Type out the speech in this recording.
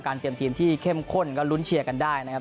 เตรียมทีมที่เข้มข้นก็ลุ้นเชียร์กันได้นะครับ